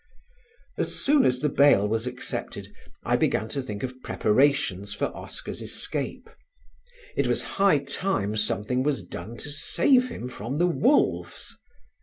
As soon as the bail was accepted I began to think of preparations for Oscar's escape. It was high time something was done to save him from the wolves.